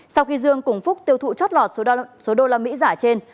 sau khi dương cùng phúc tiêu thụ trót lọt số usd giả trên